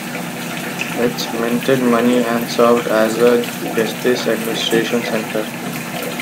It minted money and served as a justice administration centre.